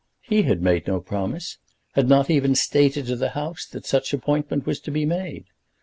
He had made no promise; had not even stated to the House that such appointment was to be made.